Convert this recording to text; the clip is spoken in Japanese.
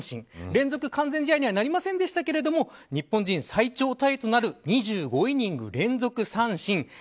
連続完全試合にはなりませんでしたが日本人最長タイとなる２５イニング連続三振。